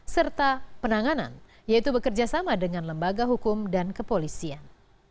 serta penanganan yaitu bekerjasama dengan lembaga hukum dan kepolisian